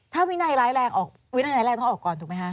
ถ้าวินัยร้ายแรงออกวินัยร้ายแรงต้องออกก่อนถูกไหมคะ